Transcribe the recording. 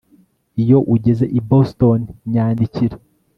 Iyo ugeze i Boston nyandikira